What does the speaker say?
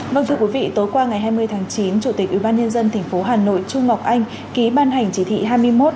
vâng thưa quý vị tối qua ngày hai mươi tháng chín chủ tịch ubnd tp hà nội trung ngọc anh ký ban hành chỉ thị hai mươi một